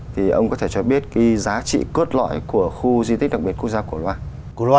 thì ông có thể cho biết cái giá trị cốt lõi của khu di tích đặc biệt quốc gia cổ loa